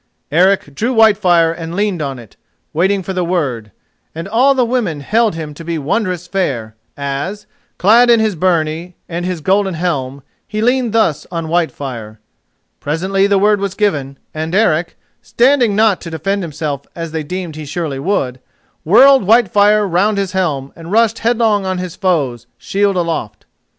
Eric drew Whitefire and leaned on it, waiting for the word, and all the women held him to be wondrous fair as, clad in his byrnie and his golden helm, he leaned thus on Whitefire. Presently the word was given, and Eric, standing not to defend himself as they deemed he surely would, whirled Whitefire round his helm and rushed headlong on his foes, shield aloft.